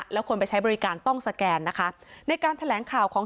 แล้วคนไปใช้บริการต้องสแกนนะคะในการแถลงข่าวของ